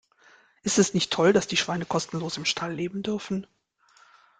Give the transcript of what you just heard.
Ist es nicht toll, dass die Schweine kostenlos im Stall leben dürfen?